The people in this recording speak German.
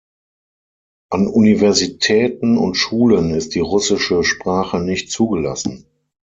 An Universitäten und Schulen ist die russische Sprache nicht zugelassen.